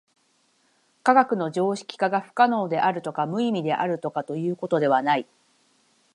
科学の常識化が不可能であるとか無意味であるとかということではない。